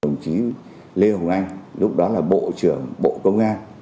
chúng chí lê hùng anh lúc đó là bộ trưởng bộ công an